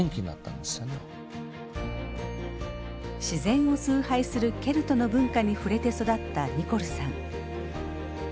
自然を崇拝するケルトの文化に触れて育ったニコルさん。